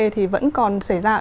thì vẫn còn xảy ra